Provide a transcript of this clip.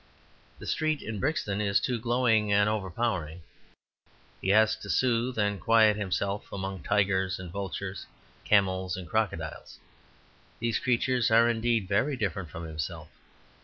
The street in Brixton is too glowing and overpowering. He has to soothe and quiet himself among tigers and vultures, camels and crocodiles. These creatures are indeed very different from himself.